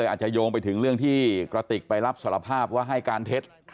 อาจจะโยงไปถึงเรื่องที่กระติกไปรับสารภาพว่าให้การเท็จ